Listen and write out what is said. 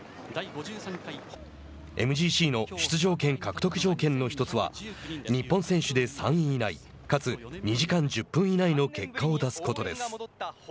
ＭＧＣの出場権獲得条件の１つは日本選手で３位以内かつ２時間１０分以内の結果を出すことです。